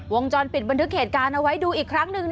วงจรปิดบันทึกเหตุการณ์เอาไว้ดูอีกครั้งหนึ่ง